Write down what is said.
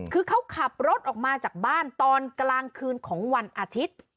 คือเขาขับรถออกมาจากบ้านตอนกลางคืนของวันอาทิตย์